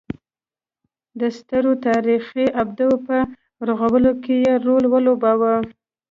د سترو تاریخي ابدو په رغولو کې یې رول ولوباوه.